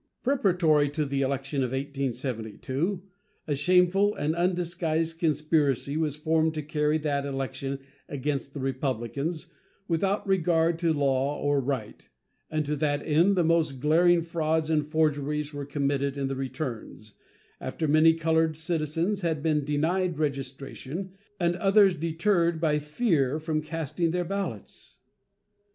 Preparatory to the election of 1872 a shameful and undisguised conspiracy was formed to carry that election against the Republicans, without regard to law or right, and to that end the most glaring frauds and forgeries were committed in the returns, after many colored citizens had been denied registration and others deterred by fear from casting their ballots.